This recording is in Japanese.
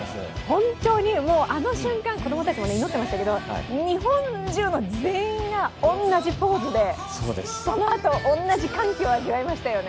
本当にあの瞬間、子供たちも祈っていましたけど日本中の全員が同じポーズでそのあと同じ歓喜を味わいましたよね。